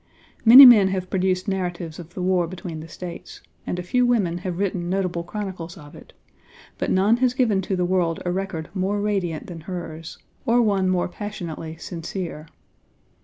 Many men have produced narratives of the war between the States, and a few women have written notable chronicles of it but none has given to the world a record more radiant than hers, or one more passionately sincere.